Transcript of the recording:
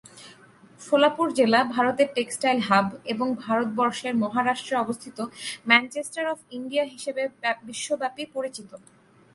সোলাপুর জেলা "ভারতের textile hub" এবং ভারতবর্ষের মহারাষ্ট্রে অবস্থিত "ম্যানচেস্টার অফ ইন্ডিয়া" হিসাবে বিশ্বব্যাপী পরিচিত।